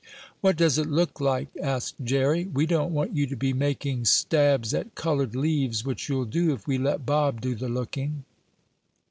"What does it look like?" asked Jerry. "We don't want you to be making stabs at colored leaves, which you'll do if we let Bob do the looking."